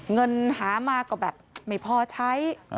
เงินหามาก็แบบไม่พอใช้